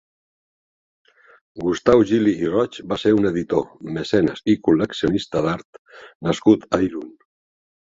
Gustau Gili i Roig va ser un editor, mecenes i col·leccionista d'art nascut a Irun.